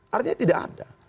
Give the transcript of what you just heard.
artinya tidak ada